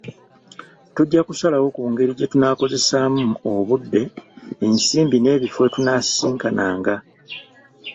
Tujja kusalawo ku ngeri gye tunaakozesaamu obudde, ensimbi n'ebifo wetulisisinkananga.